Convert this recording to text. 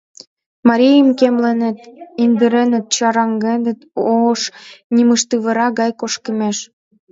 Марийым кемленыт, индыреныт, чараҥденыт ош нымыштывара гай кошкымеш.